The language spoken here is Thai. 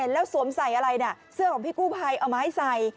แล้วสวมใส่อะไรเนี่ยเสื้อใบเล่ของพี่กู้ไพเอามาให้ใส่